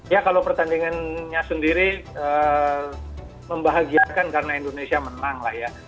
ya kalau pertandingannya sendiri membahagiakan karena indonesia menang lah ya